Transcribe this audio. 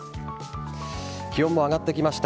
気温も上がってきました。